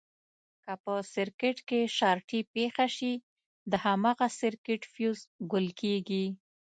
که په سرکټ کې شارټي پېښه شي د هماغه سرکټ فیوز ګل کېږي.